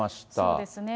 そうですね。